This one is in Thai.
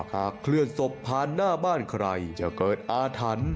หากเคลื่อนศพผ่านหน้าบ้านใครจะเกิดอาถรรพ์